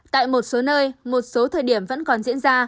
tại một số nơi một số thời điểm vẫn còn diễn ra